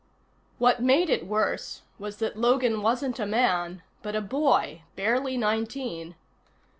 What made it worse was that Logan wasn't a man, but a boy, barely nineteen.